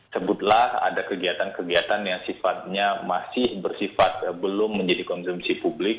sebutlah ada kegiatan kegiatan yang sifatnya masih bersifat belum menjadi konsumsi publik